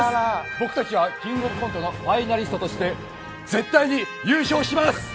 僕たちは「キングオブコント」のファイナリストとして絶対に優勝します！